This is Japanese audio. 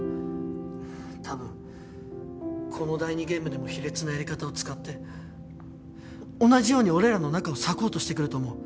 多分この第２ゲームでも卑劣なやり方を使って同じように俺らの仲を裂こうとしてくると思う。